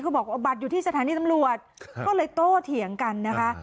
บอกว่าบัตรอยู่ที่สถานีตำรวจก็เลยโตเถียงกันนะคะ